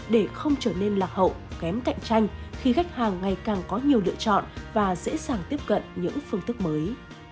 để không trở nên lạc hậu kém cạnh tranh khi khách hàng ngày càng có nhiều lựa chọn và dễ dàng tiếp cận những phương thức mới